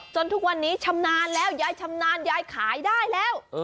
ทุกวันนี้ชำนาญแล้วยายชำนาญยายขายได้แล้ว